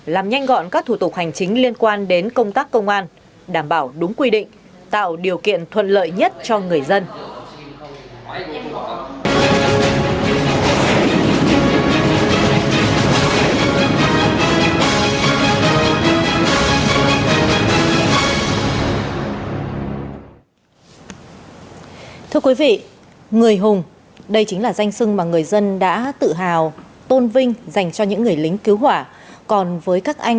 làm nhanh gọn các thủ tục hành chính liên quan đến công tác công an đảm bảo đúng quy định tạo điều kiện thuận lợi nhất cho người dân